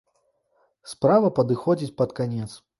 Справа падыходзіць пад канец.